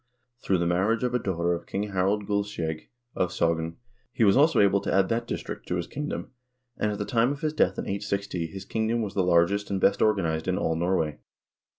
Through the marriage of a daughter of King Harald Guldskjeg of Sogn, he was also able to add that district to his kingdom, and at the time of his death in 860 his kingdom was the largest and best organized in all Norway.